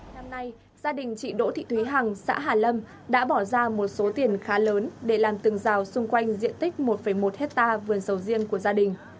năm nay gia đình chị đỗ thị thúy hằng xã hà lâm đã bỏ ra một số tiền khá lớn để làm tường rào xung quanh diện tích một một hectare vườn sầu riêng của gia đình